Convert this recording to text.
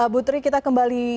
butri kita kembali